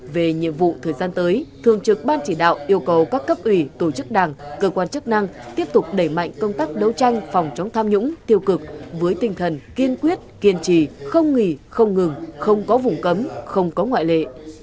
về nhiệm vụ thời gian tới thường trực ban chỉ đạo yêu cầu các cấp ủy tổ chức đảng cơ quan chức năng tiếp tục đẩy mạnh công tác đấu tranh phòng chống tham nhũng tiêu cực với tinh thần kiên quyết kiên trì không nghỉ không ngừng không có vùng cấm không có ngoại lệ